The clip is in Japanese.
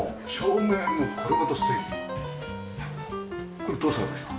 これどうされました？